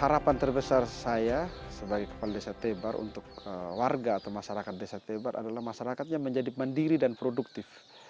harapan terbesar saya sebagai kepala desa tebar untuk warga atau masyarakat desa tebar adalah masyarakatnya menjadi mandiri dan produktif